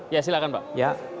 ya silakan pak